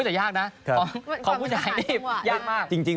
แบบหยากนะของผู้จะอยากมาก